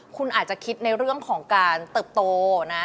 คุณอาจจะคิดในเรื่องของการเติบโตนะ